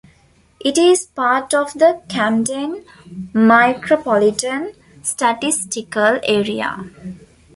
It is part of the Camden Micropolitan Statistical Area.